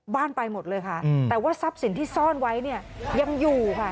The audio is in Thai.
ไปหมดเลยค่ะแต่ว่าทรัพย์สินที่ซ่อนไว้เนี่ยยังอยู่ค่ะ